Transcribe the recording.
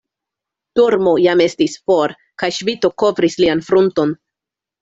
Dormo jam estis for, kaj ŝvito kovris lian frunton.